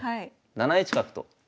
７一角と。